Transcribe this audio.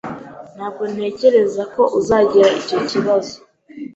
Ntabwo ntekereza ko uzagira icyo kibazo.